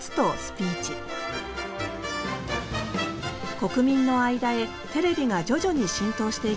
国民の間へテレビが徐々に浸透していく中